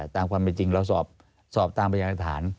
ตามความเป็นจริงเราสอบตามพยานฐาน